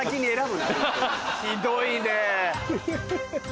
ひどいね。